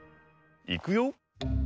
いくよ。